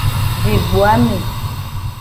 Di gbo ame.